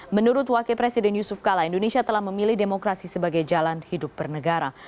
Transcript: menurut wakil presiden yusuf kala indonesia telah memilih demokrasi sebagai jalan hidup bernegara